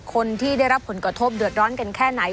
คนที่ได้รับผลกระทบเดือดร้อนกันแค่ไหน